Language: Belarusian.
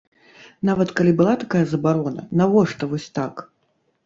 Нават калі была такая забарона, навошта вось так?